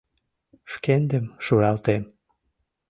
Шкендым шуралтем!